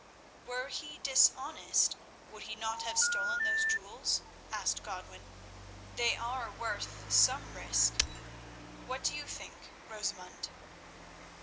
"Were he dishonest would he not have stolen those jewels?" asked Godwin. "They are worth some risk. What do you think, Rosamund?"